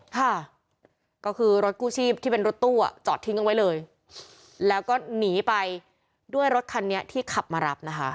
ที่เป็นรถตู้อ่ะจอดทิ้งเอาไว้เลยแล้วก็หนีไปด้วยรถคันนี้ที่ขับมารับนะคะ